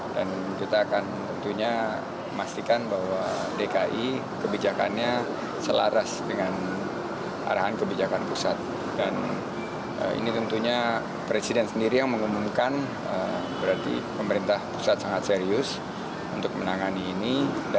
dan ini tentunya presiden sendiri yang mengumumkan berarti pemerintah pusat sangat serius untuk menangani ini